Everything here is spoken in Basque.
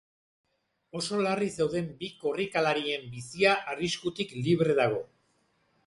Oso larri zeuden bi korrikalarien bizia arriskutik libre dago.